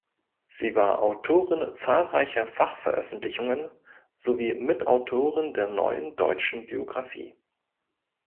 Sie war Autorin zahlreicher Fachveröffentlichungen sowie Mitautorin der Neuen Deutschen Biographie.